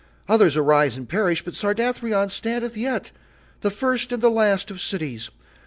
Others arise and perish but Sardathrion standeth yet, the first and the last of cities.